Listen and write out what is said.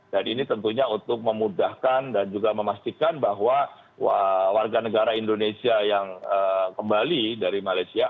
dan ini tentunya untuk memudahkan dan juga memastikan bahwa warga negara indonesia yang kembali dari malaysia